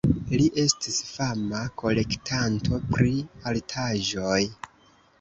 Li estis fama kolektanto pri artaĵoj.